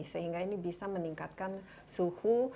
sehingga ini bisa meningkatkan suhu